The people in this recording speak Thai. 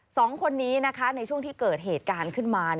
สองคนนี้นะคะในช่วงที่เกิดเหตุการณ์ขึ้นมา